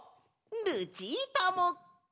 ルチータも！